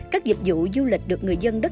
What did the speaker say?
các dịch vụ du lịch được người dân tham quan